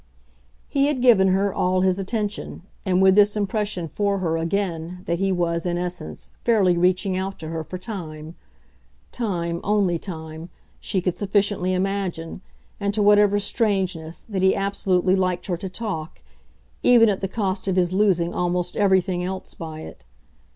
He had given her all his attention, and with this impression for her, again, that he was, in essence, fairly reaching out to her for time time, only time she could sufficiently imagine, and to whatever strangeness, that he absolutely liked her to talk, even at the cost of his losing almost everything else by it.